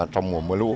trong mùa mưa lũ